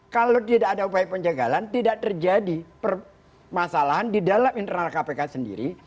kalau tidak ada upaya penjagalan tidak terjadi permasalahan di dalam internal kpk sendiri